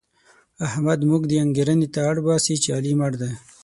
احمد موږ دې انګېرنې ته اړباسي چې علي مړ دی.